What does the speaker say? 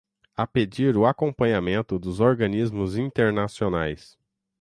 A pedir o acompanhamento dos organismos internacionais